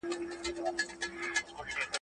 چې ما نن يو ښه کار وکړ.